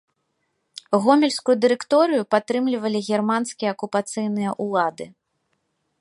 Гомельскую дырэкторыю падтрымлівалі германскія акупацыйныя ўлады.